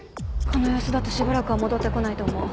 この様子だとしばらくは戻ってこないと思う。